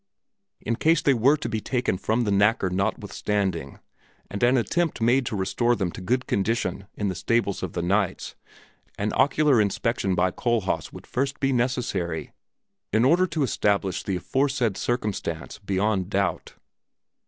In case they were to be taken from the knacker not withstanding, and an attempt made to restore them to good condition in the stables of the knights, an ocular inspection by Kohlhaas would first be necessary in order to establish the aforesaid circumstance beyond doubt.